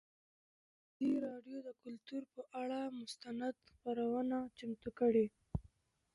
ازادي راډیو د کلتور پر اړه مستند خپرونه چمتو کړې.